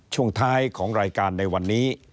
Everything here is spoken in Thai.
ช่วงท้ายของรายการในวันนี้